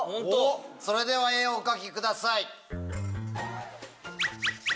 それでは絵をお描きください。